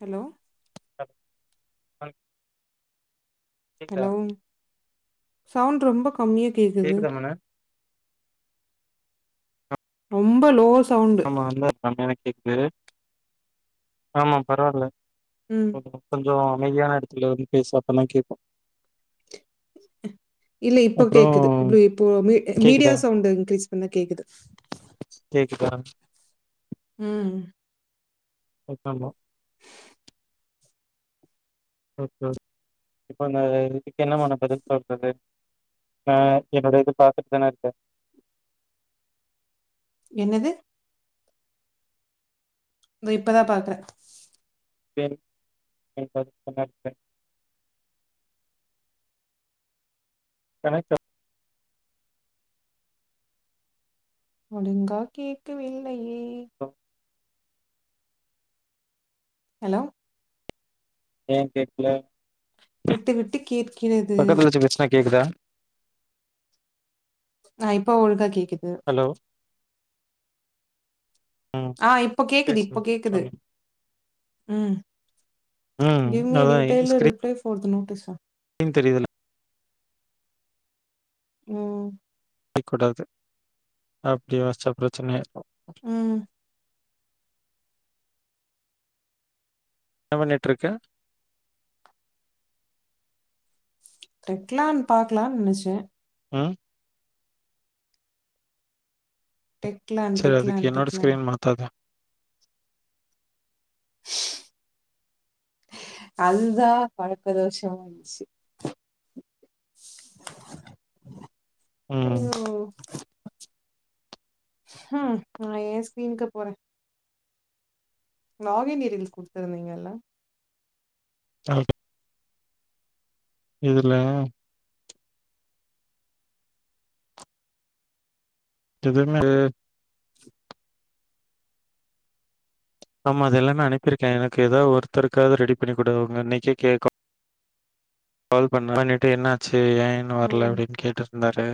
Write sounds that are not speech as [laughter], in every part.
Hello டக் சன் hello sound ரொம்ப கம்மியா கேக்குது கேக்குதா மேன ரொம்ப லோ சவுண்ட் வந்தா கம்மியாதா கேக்குது ஆமா பரவால்ல ம் கொஞ்சோ அமைதியான எடத்துல வந்து பேசு அப்பந்தா கேக்கு இல்ல இப்போ அப்றோ கேக்குது ப்ளு இப்போ மீ அ மீடியா கேக்குதா சவுண்ட்டு இன்க்ரீஸ் பண்ணா கேக்குது கேக்குதா ம் உக்காந்தோ ஓகே இப்போ அந்த இதுக்கு என்ன மேடம் பதில் சொல்றது அ என்னோட இது பாத்துட்தான இர்க்க என்னது தோ இப்பதா பாக்ற [unintelligible] கனெக்ட்டா ஒடுங்கா கேட்கவில்லையே ஆகட்டு. ஹெலோ ஏ கேக்ல விட்டு விட்டு கேட்கிறது பக்கத்துல வெச்சு பேச்னா கேக்குதா அ இப்ப ஒழுகா கேக்குது ஹலோ ம் ஆ இப்ப கேக்குது பேசுங்க இப்ப கேக்குது சொல்லு ம் ம் கிவ் மி அ அதா டீடைல் ரிப்ளே ஃபார் த நோட்டீஸா ன் தெரிதல்ல ம் அடிக் கூடாது அப்டியே வாசிச்சா பிரச்சன ஆயிரு ம் என்ன பண்ணிட்ருக்க ரெக்லான் பாக்லான் நெனச்சே ம் டெக்லான் செரி டெக்லான் அதுக்கு என்னோட டெக்லான் ஸ்கிரீன் மாத்தாத அதுதா பழக்க தோஷ வன்ச்சி ம். அயோ ம் நா ஏ ஸ்கிரீனுக்கு போறே நாவீன் நீரில் குடுத்துருந்தீங்கல்ல [unintelligible] இதுல இது என்னடு ஆமா அது எல்லாமே அனுப்பிருக்கே எனக்கு எதாவ் ஒருத்தருக்காவது ரெடி பண்ணி குடு அவுங்க அன்னைக்கே கேக்கா கால் பண்ண பண்ணிட்டு என்ன ஆச்சி ஏ இன்னு வர்ல ம் அப்டின் கேட்டர் ந்தாரு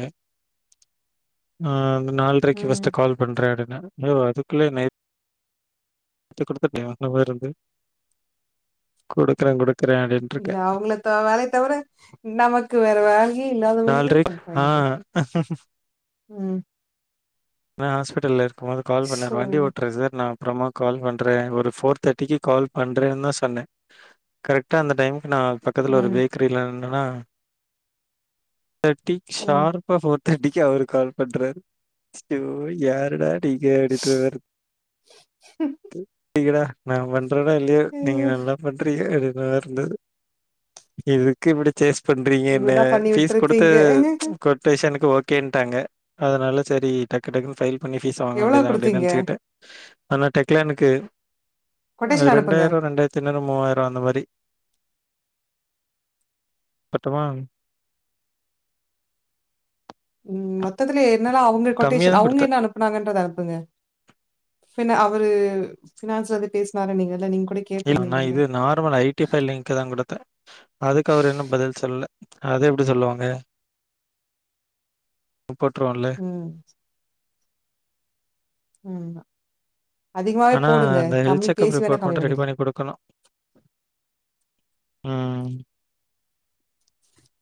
அ நாள்ரைக்கு ம் ஃபஸ்ட்டு கால்ப் பண்றாடுங்க யோ அதுக்குள்ளே நேத் த்து குடுத்துட்டே இன்னு வேற எது குடுக்றே குடுக்றே அப்டின் இல்ல அவுங்களத்த வேலையத் தவர நமக்கு வேற வேல யே இல்லாத மாரியே ஆ பண்றாய்ங்க ம் நா ஹாஸ்பிட்டல்ல இருக்கும் போது கால் பண்ணாரு சோ வண்டி ஒட்றே சார் நா அப்றமா கால் பண்றே ஒரு ஃபோர் தேர்ட்டிக்கு கால்ப் பண்றேன்னுதா சொன்னே கரெக்டா அந்த டைம்க்கு நா பக் பக்கத்துல ஒரு ம் பேக்கரில நின்னனா ம் ஸார்ப் இப்ப போர் தேட்டிக்கு அவரு கால் பண்றாரு ஐயோ யாருடா நீங்க அப்டின்றா மாரி [unintelligible] நா பண்றனே இல்லியோ நீங்க ஐயோ நல்லா பண்றிங்க அப்டின்ற மாரி இருந்தது இதுக்கு இப்டி சேஸ் பண்றீங்க என்ன இவ்ளதான் பண்ணி ஃபீஸ் குடுத்து விட்டுருப்பீங்க ஃபேஷன்க்கு ஓகேனுட்டாங்க அதனால செரி டக்கு டக்குனு ஃபைல் பண்ணி பீஸ் வாங்க எவ்ளோ வேண்டியது தா அப்டின்னு குடுத்தீங்க நெனச்சிகிட்டே ஆனா டெக்லானுக்கு கொட்டேஷன் அனுப்புங்க ரெண்டாயிரோ ரெண்டாயிரத்த தைநூறு மூவாயிரோ அந்த மாரி பட்டுமா ம் மொத்ததுல என்னல்லா அவுங்க கம்மியா கொட்டேஷன் தான் அவுங்க குடுத்தேன். என்ன அனுப்பு னங்க அனுப்புங்க பினான் அவரு பினான்ஸ்ல இருந்து பேசினாருனீங்கல்லா நீங்கல்ல நீங்க கூட இல்ல நா கேட்டிருந்தீங்கல்ல இது normal I D file link தா குடுத்தே அதுக்கு அவர் இன்னு பதில் சொல்லல அது எப்டி சொல்லுவாங்க புக் போட்டுவோல இல்ல ம் ம் அதிகமாவே போடுங்க கம்மி பேசி வேணா கம்மி பண்ணிக்கலா குடுக்கணு ம்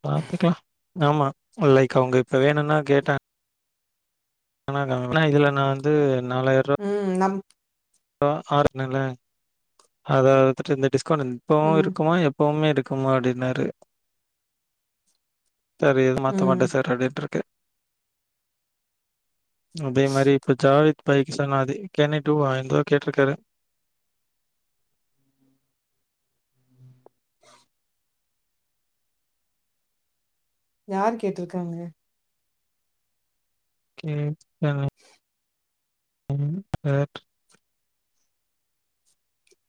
பாத்துக்கலா ஆமா லைக் அவுங்க வேணும்னா கேட்ட இதுல நா வந்து நாலாயிரோ ம் நம் இப்ப ஆறுனல்ல அத அதுட்டு இந்த டிஸ்கவுண்ட் இப்பவு ம். இருக்குமா எப்பவுமே இருக்குமா அப்டின்னாரு செரி இது மாத்த ம். மாட்ட சார் அப்டின்ட்டுருக்கே அதே மாரி இப்ப ஜாவத் பைக் சொன்னாேரு கேன டூவா கேட்டிருக்காரு யார் கேட்டிருக்காங்க [unintelligible]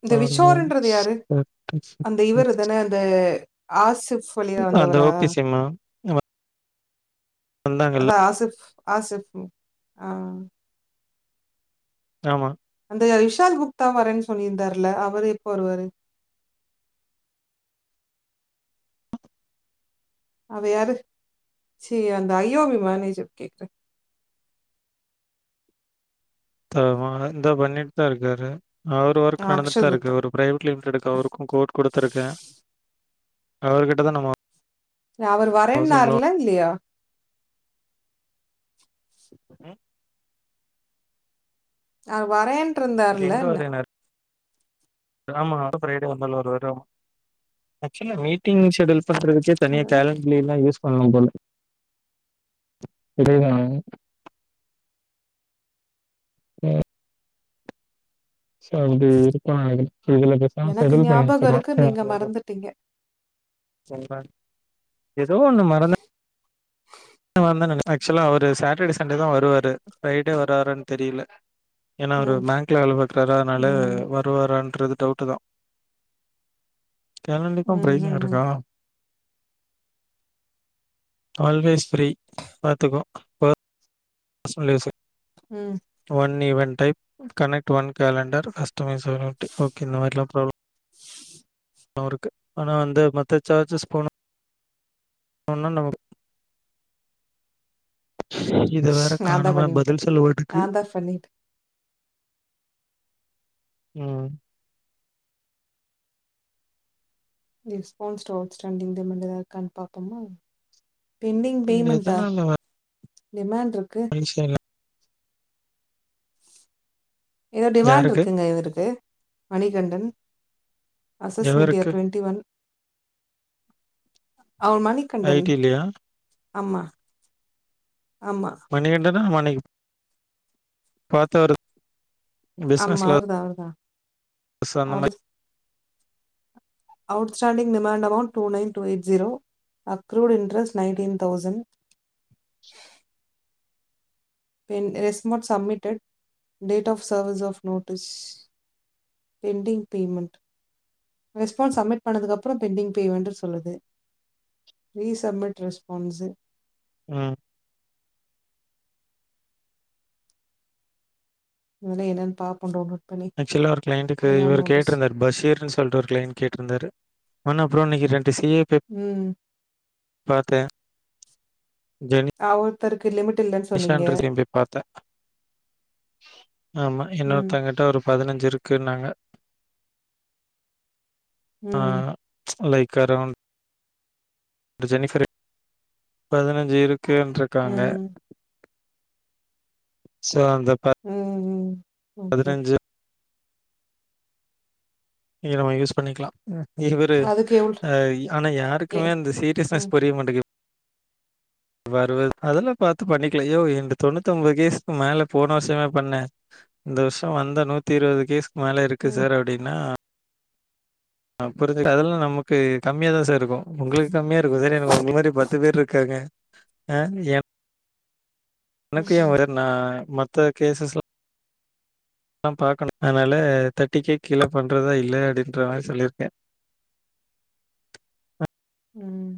இந்த விஷோர்ன்றது ஆல்வேஸ் யாரு தட் இஸ் அந்த இவரு தானே அந்த ஆசிஃப் வழியா அந்த வந்தவரா ஓகே சிமா. வந்தாங்கல்ல. அதா ஆசிஃப் ஆசிஃப் அ ஆமா அந்த விஷால் குப்த்தா வரேன்னு சொல்லியிருந்தார் இல்ல அவரு எப்ப வருவாரு அவ யாரு அந்த ஐ ஒ மேனேஜர் கேக்குறே [unintelligible] இந்தா பண்ணிட்டு தா இருக்காரு அவரு ஆ ஒர்க் நடந்துட்டு தா அக்ஷய் இருக்கு குப்தா. ஒரு பிரைவேட் லிமிடெட்க்கு அவருக்கு கோட் குடுத்து இருக்கே அவர்கிட்ட தா நம்ம அவரு ஹவுசிங் லோன் வரேன்னாறுயில்ல இல்லியா ம் அவரு வரே எங்க வரேன்னாரு ஆமா ப்ரிடே வந்தாலு வருவாரு ஆக்சுவலா மீட்டிங் ஷெட்யூல் பண்றத்துக்கே தனியா அதனால கேலண்டர்ல எல்லா யூஸ் பண்ணலு போல [unintelligible] ம் சோ அப்டி இருக்கு இதுல பேசாம எனக்கு ஷெட்யூல் பண்ணி ஞாபகம் இருக்கு, நீங்க வெச்சிரனு [unintelligible] மறந்துட்டீங்க. சொல்ற எதோ ஒண்ணு மறந்த வந்தேன்னா ஆக்சுவலா அவரு சாட்டர்டே சண்டே தா வருவாரு ஃப்ரைடே வருவாரான்னு தெரில ஏன்னா அவரு ம். பேங்க்ல வேல பாக்கிறாரா அதனால ம். வருவாரான்றது டவுட்டு தா ம். கேளண்டிக்கு ம். [unintelligible] ம். இருக்கா ஆல்வேஸ் ஃப்ரீ பாத்துக்கோ [unintelligible] ம் one event type connect one calendar customise okay இந்த மாரிலா ப்ராப்ளம் ஆ இருக்கு ஆனா வந்து மத்த சார்ஜஸ் போனா போனா நமக் இத வேற காணும பதில் சொல்ல மாட்டுக்கு பண்ணிட்டு ம் ரெஸ்பான்ஸ் அவுட் ஸ்டாண்டிங் த மினரல் இருக்கான்னு பாப்போமா பெண்டிங் இது பேமெண்டா டிமாண்ட் இருக்கு முடிஸ்ட்டே எல்லா ஏதோ டிமாண்ட் யாருக்கு? இருக்குங்க இவருக்கு மணிகண்டன் அசஸ் மீடியா எவருக்கு? ட்வென்டி ஒன் அவ மணிகண்டன் ஐடிலயா? ஆமா ஆமா மணிகண்டனா மனை பாத்தாரு ஆமா அவர்தா அவர்தா ச அந்த மாரி outstanding demand amount two nine two eight zero accrued interest nineteen thousand பெண் ரெஸ்ட்மோட் submitted date of service of notice pending payment response submit பண்ணதுக்கப்புற பெண்டிங் பேமெண்டுனு சொல்லுது ரீசப்மிட் ரெஸ்பான்ஸு ம் மொதல்ல என்னன்னு பாப்போ ‌டவுன்லோட் ஆக்ச்சுவலா ஒரு கிளைண்டுக்கு இவர் கேட்ருந்தாரு பஷீர்னு சொல்ட்டு ஒரு கிளைன்ட் கேட்ருந்தாருஆனா அப்புற இன்னைக்கு ரெண்டு சி ஏ பேப் ம் பாத்தே ஜெனி ஒருத்தருக்கு லிமிட் இல்லைன்னு சொன்னீங்க னிசான்ற சேம் டேய் பாத்த ஆமா ம் இன்னொருத்தங்கிட்ட ஒரு பதினஞ்சு இருக்குன்னாங்க ஆ ம், லைக் அரவுண்ட் ஜெனிஃபரு பதினஞ்சு இருக்குன்ருக்காங்க ம், சோ அந்த ப ம் ம் ஓகே இங்க நம்ம யூஸ் பண்ணிக்கலா ம் இவரு அதுக்கு எவ்ளோ ஆ ஆனா எ யாருக்குமே அந்த சீரியஸ்னஸ் ம், புரிய மாட் வருவது அதெல்லா பாத்து பண்ணிக்கலா யோவ் இந்த தொண்ணூத்தொம்போது கேஸ்க்கு மேல போன வர்ஷமே பண்ண இந்த வர்ஷ வந்த நூத்தி இருவது கேஸ்க்கு மேல இருக்கு ம், சார் அப்டின்னா ஆ புரிஞ்சுக்கது அதெல்லா நமக்கு கம்மியாதா சார் இருக்கு உங்களுக்கு கம்மியா இருக்கு சார் எனக்கு உங்கள மாரி பத்து பேர் இருக்காங்க ஆ எம் எனக்கு ம், ஏ வர நா மத்த கேசஸ் லா பாக்கனு அதனால தர்ட்டிக்கே கீழே பண்றதா இல்லையா அப்டின்ற மாரி சொல்லிருக்கே ம்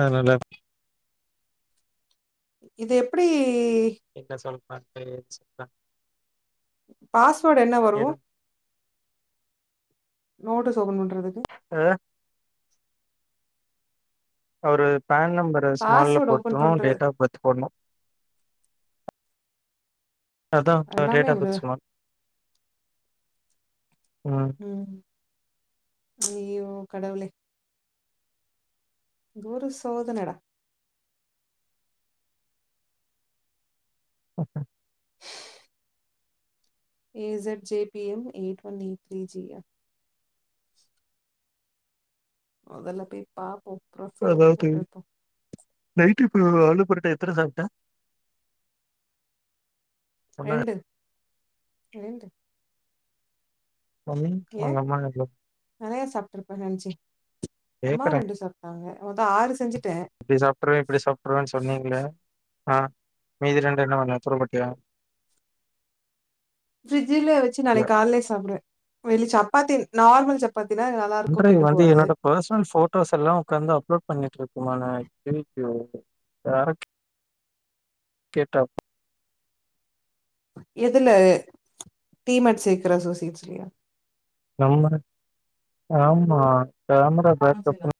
அதனால இது எப்டி என்ன சொல்ற ‌நானு [unintelligible] பாஸ்வேர்டு என்ன வரு ஏதும் நோட்டீஸ் ஓப்பன் பண்றதுக்கு ஆ அவரு பேன் நம்பரு ஸ்மால்ல பாஸ்வேர்ட் ஓப்பன் போட்டும் பண்றது டேட் ஆஃப் பர்த் போட்ணு அதா அவர் எல்லாமே டேட்டாஃப் அப்டிதா. பர்த் சொன்னா ம் ம் அய்யோ கடவுளே குரு சோதனடா [unintelligible] ஈஜட் J B M eight one eight three ஜீயா மொதல்ல போய் பாப்போ புரொஃபைல்ல அதாவது போட்டு வெப்போ நைட்டு இப்ப ஆலு பொரட்டா எத்தன சாப்ட்ட ஒண்ணா? ரெண்டு ரெண்டு மம்மி ஏ உங்க அம்மா நறையா சாப்ட்டிருப்பே நென்ச்சி அம்மாவு கேக்குறேன். ரெண்டு சாப் ட்டாங்க மொத்தோ ஆறு செஞ்சுட்டே அப்டி சாப்ட்ருவே இப்டி சாப்ட்ருவேன் சொன்னீல ஆ மீதி ரெண்டு என்ன பண்ண தூர போட்டியா ஃபிரிஜ்ஜில வச்சு நாளைக்கால்லே சாப்டுவே வெளி சப்பாத்தி நார்மல் சப் பாத்தீனா நல்லா இருக்கு பண்றது கெட்டு வந்து போவாது என்னோட பர்ஸ்னல் ஃபோட்டோஸ் எல்லா ஒக்காந்து அப்லோட் பண்ணிட்ருக்குமா நா அய்யய்யோ வேற கேட்டா எதுல டீமேட் சேக்குற அசோசிட்ஸ்லயா நம்ம ஆமா கேமரா பேக்கப்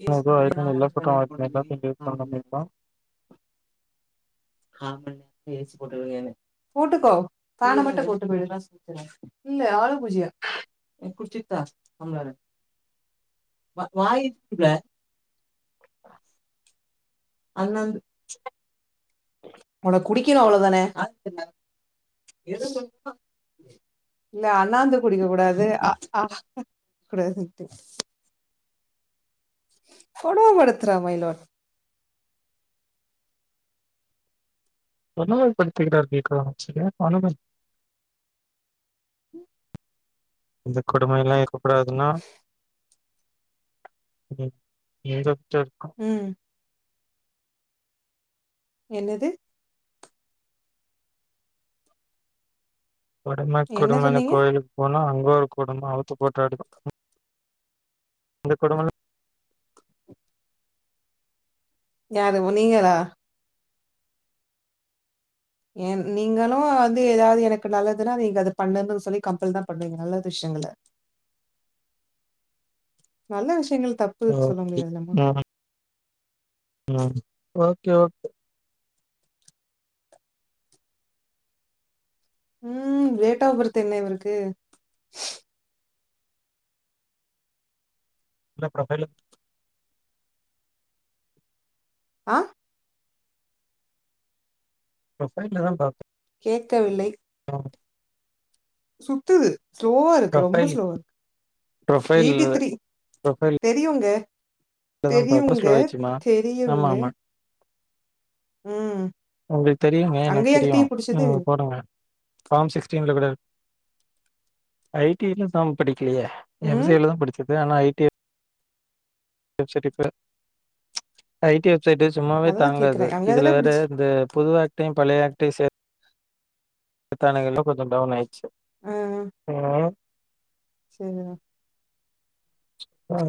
[unintelligible] [unintelligible] போட்டுக்கோ பேனமட்டும் போட்டுக்க வேண்டியது தான் இல்ல ஆலம்பு இல்ல குச்சி [unintelligible] [unintelligible] ஒனக்கு குடிக்கணு அவ்ளோ தானே இல்ல அண்ணாந்து குடிக்க கூடாது அ ஆ கூடாதுன்ட்டு [inaudible] கொடும படுத்துறா மைலாட் கொடும படுத்திருக்காரு வீ காமாட்சிய [unintelligible] இந்த கொடுமைல்லா இருக்கக்கூடாதுன்னா [unintelligible] ம் என்னது கொடும என்ன கொடுமன்னு சொன்னீங்க கோயிலுக்கு போனா அங்க ஒரு கொடும அவுத்து போட்டு ஆடுதா இந்த கொடுமலா யாரு உ நீங்களா என் நீங்களு வந்து எதாவ்து எனக்கு நல்லதுன்னா நீங்க அது பண்ணனு சொல்லி கம்பெல் தா பண்ணுவீங்க நல்லதுஷ்யங்கள நல்ல விஷ்யங்கள் தப்பு சொல்ல முடியாதுல்லமா ஓகே ஓ ம் டேட் ஆஃப் பர்த் என்ன இவ்ருக்கு ப்ரொஃபைல் ஆ ப்ரொஃபைல்ல தா பா கேக்கவில்லை [inaudible] சுத்துது ஸ்லோவாருக்கு ரொம்ப ப்ரொஃபைல் ஸ்லோவாருக்கு ப்ரொஃபைல் எய்ட்டி த்ரீ ப்ரொஃபைல் தெரியுங்க இல்லதான்ப்பா ரொம்ப தெரியுங்க ஸ்லோ ஆயிடுச்சுமா தெரியுங்க ம். ஒங்ளுக்கு தெரியுங்க எனக்கு அங்கயா தீ தெரியு புடிச்சது? ம் போடுங்க ஃபார்ம் சிக்ஸ்டீன்ல குடு ஐ டி ல சம் படிக்கிலியா எம் ம். சி ல தா படிச்சது ஆனா ஐ டி [unintelligible] ஐ டி ப்சைட்டு சும்மாவே அததான் தாங்காது கேக்குறேன். அங்க இதுல தானே வேற புடிச்சு. இந்த பொதுவா க்டியு பழைய ஏக்டியு சே [inaudible] த்தானுகள்ல கொஞ்ச டவுன் ஆயிர்ச்சு. ம் ம். செரிதா. ஆ